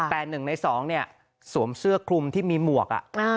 แต่หนึ่งในสองเนี่ยสวมเสื้อคลุมที่มีหมวกอ่ะ